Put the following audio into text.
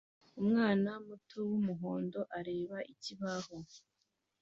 Umwana muto wumuhondo areba ikibaho